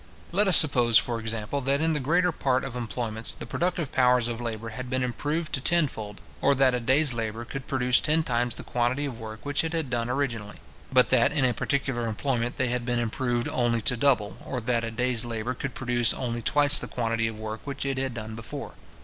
Let us suppose, for example, that in the greater part of employments the productive powers of labour had been improved to tenfold, or that a day's labour could produce ten times the quantity of work which it had done originally; but that in a particular employment they had been improved only to double, or that a day's labour could produce only twice the quantity of work which it had done before.